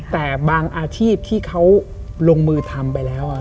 แต่บางอาชีพที่เขาลงมือทำไปแล้ว